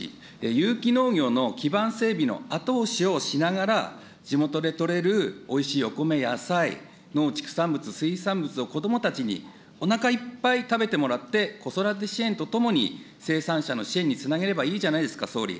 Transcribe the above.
有機農業の基盤整備の後押しをしながら、地元で取れるおいしいお米、野菜、農畜産物、水産物を子どもたちにおなかいっぱい食べてもらって、子育て支援とともに生産者の支援につなげればいいじゃないですか、総理。